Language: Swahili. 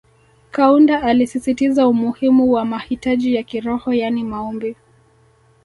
Kaunda alisisitiza umuhimu wa mahitaji ya kiroho yani Maombi